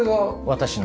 私の。